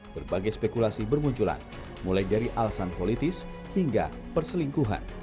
berbagai spekulasi bermunculan mulai dari alasan politis hingga perselingkuhan